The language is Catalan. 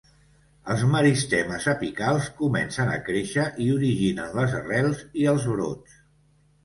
Els meristemes apicals comencen a créixer i originen les arrels i els brots.